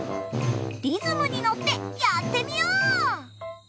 リズムにのってやってみよう！